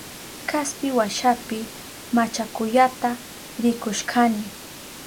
Kaspi washapi machakuyata rikushkani.